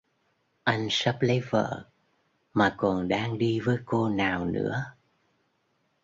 Anh sắp lấy vợ mà còn đang đi với cô nào nữa